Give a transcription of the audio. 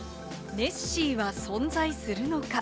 ネッシーは存在するのか？